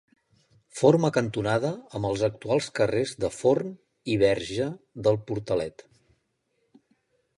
Forma cantonada amb els actuals carrers del Forn i Verge del Portalet.